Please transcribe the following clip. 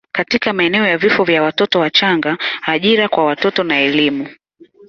katika maeneo ya vifo vya watoto wachanga, ajira kwa watoto na elimu.